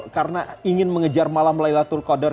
karena ingin mengejar malam laylatul hadar